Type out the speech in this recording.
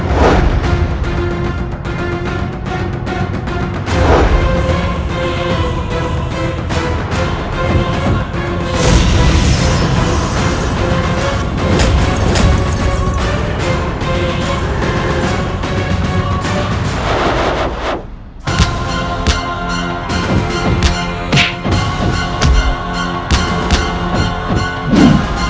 kau harus menjadi istriku